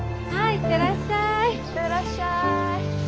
行ってらっしゃい。